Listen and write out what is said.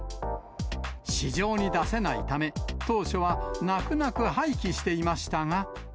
市場に出せないため、当初は泣く泣く廃棄していましたが。